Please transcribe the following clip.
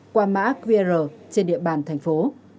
qua mã qr trên địa bàn thành phố